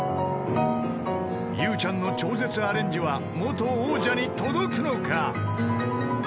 ［ゆうちゃんの超絶アレンジは元王者に届くのか？］